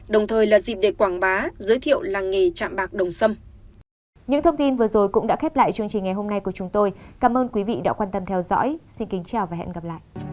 đồng thời là dịp để quảng bá giới thiệu làng nghề chạm bạc đồng xâm